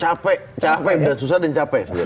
capek capek dan susah dan capek